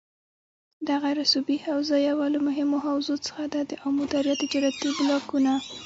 دغه رسوبي حوزه یوه له مهمو حوزو څخه ده دآمو دریا تجارتي بلاکونه